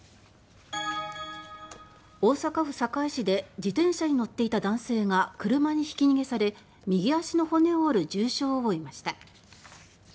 大阪府堺市で自転車に乗っていた男性が車にひき逃げされ右足の骨を折る重傷を負いました。